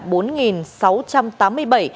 chủ yếu là bốn sáu trăm tám mươi bảy